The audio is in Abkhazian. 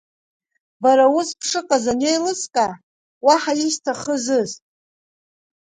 Бара ус бшыҟаз анеилыскаа, уаҳа исҭахызыз.